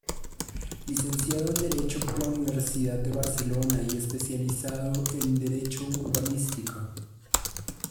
Licenciado en Derecho por la Universidad de Barcelona y especializado en derecho urbanístico.